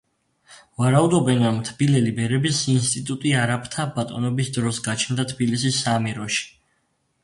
ვარაუდობენ, რომ თბილელი ბერების ინსტიტუტი არაბთა ბატონობის დროს გაჩნდა თბილისის საამიროში.